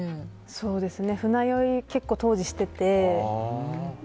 そうですね、船酔いも結構、当時してて。